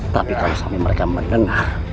tapi kalau sampai mereka mendengar